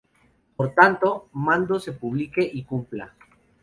Por tanto: mando se publique y cumpla.